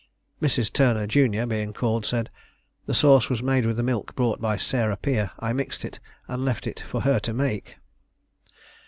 Mrs. Turner, jun., being called, said "The sauce was made with the milk brought by Sarah Peer. I mixed it, and left it for her to make."